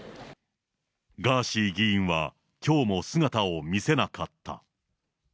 ガーシー議員はきょうも姿を見せなかった。